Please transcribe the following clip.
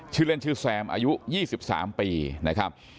ชื่อเล่นชื่อแซมอายุ๒๓ปีนะครับ